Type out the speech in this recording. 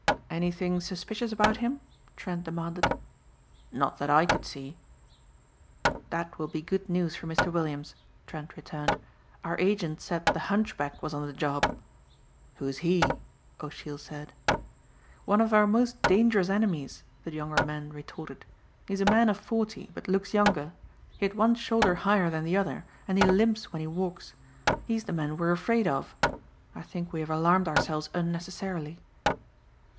"Anything suspicious about him?" Trent demanded. "Not that I could see." "That will be good news for Mr. Williams," Trent returned. "Our agent said the Hunchback was on the job." "Who's he?" O'Sheill said. "One of our most dangerous enemies," the younger man retorted. "He's a man of forty, but looks younger. He had one shoulder higher than the other and he limps when he walks. He's the man we're afraid of. I think we have alarmed ourselves unnecessarily."